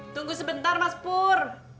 tunggu sebentar mas pur